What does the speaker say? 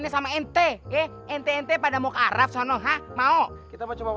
acara t'aruf itu telah berjalan dengan lancar